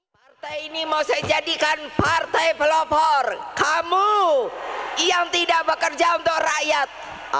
partai ini mau saya jadikan partai pelopor kamu yang tidak bekerja untuk rakyat